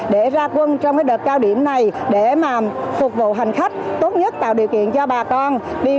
để ra quân trong đợt cao điểm này để phục vụ hành khách tốt nhất tạo điều kiện cho bà con đi